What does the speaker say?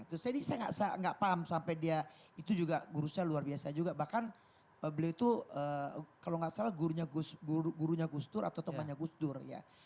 terus jadi saya nggak paham sampai dia itu juga guru saya luar biasa juga bahkan beliau itu kalau nggak salah gurunya gus dur atau temannya gus dur ya